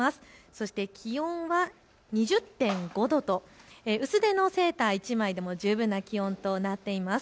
そして気温は２０．５度と薄手のセーター１枚でも十分な気温となっています。